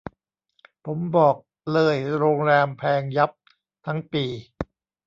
ผมบอกเลยโรงแรมแพงยับทั้งปี